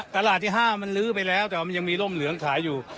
ตลาดที่๕มันลื้อไปแล้วแต่ว่ามันยังมีร่มเหลืองขายอยู่